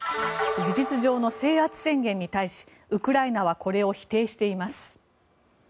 事実上の制圧宣言に対しウクライナはこれを否定しています。